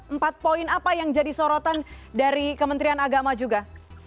empat poin apa yang jadi sorotan dari kementerian agama juga